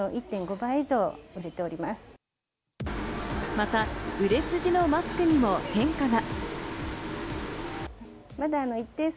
また、売れ筋のマスクにも変化が。